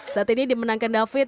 set ini dimenangkan david